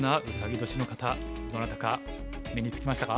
どなたか目につきましたか？